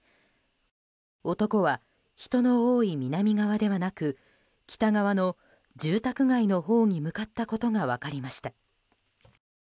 男は人の多い南側ではなく北側の住宅街のほうに向かったことが分かりました。